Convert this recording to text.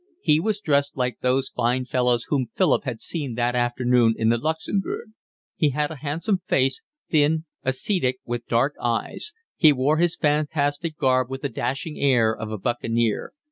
He was dressed like those fine fellows whom Philip had seen that afternoon in the Luxembourg. He had a handsome face, thin, ascetic, with dark eyes; he wore his fantastic garb with the dashing air of a buccaneer.